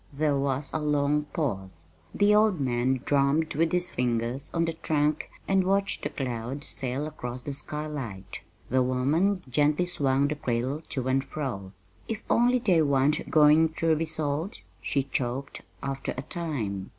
There was a long pause. The old man drummed with his fingers on the trunk and watched a cloud sail across the skylight. The woman gently swung the cradle to and fro. "If only they wan't goin' ter be sold!" she choked, after a time.